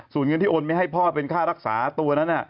ส่วนเงินที่โอนไปให้พ่อเป็นค่ารักษาตัวนั้น